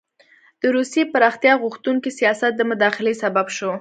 د روسیې پراختیا غوښتونکي سیاست د مداخلې سبب شو.